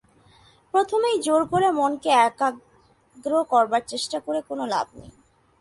প্রথমেই জোর করে মনকে একাগ্র করবার চেষ্টা করে কোন লাভ নেই।